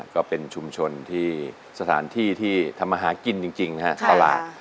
ก็เป็นชุมชนที่สถานที่ที่ธรรมฮากินจริงนะครับตลาด